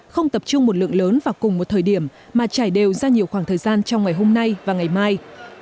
không tập trung một lượng lớn vào cùng một thời điểm mà trải đều ra nhiều khoảng thời gian trong ngày hôm nay và ngày mai